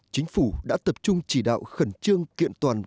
chính phủ đã tập trung chỉ đạo khẩn trương kiện toàn